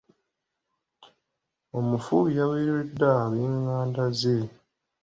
Omufu yaweereddwa ab'enganda ze.